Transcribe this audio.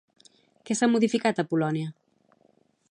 Què s'ha modificat a Polònia?